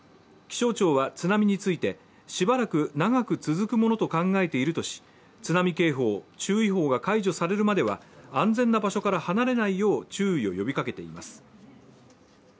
気象庁は津波について、しばらく長く続くものと考えているとし津波警報、注意報が解除されるまでは安全な場所から離れないよう注意を呼びかけています。